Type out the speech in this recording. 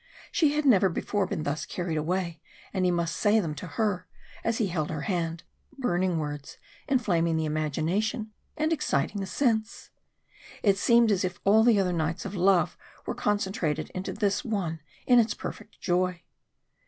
She had never before been thus carried away and he must say them to her as he held her hand burning words, inflaming the imagination and exciting the sense. It seemed as if all the other nights of love were concentrated into this one in its perfect joy.